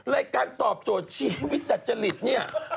รายการตอบโจทย์ชีวิตดัจจริตเนี่ย